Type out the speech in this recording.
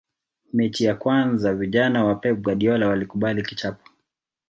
mechi ya kwanza vijana wa pep guardiola walikubali kichapo